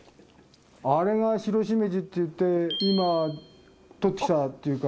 あれがシロシメジっていって今採ってきたっていうか。